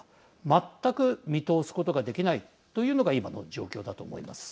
全く見通すことができないというのが今の状況だと思います。